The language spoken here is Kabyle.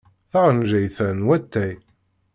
Taɣenjayt-a n watay.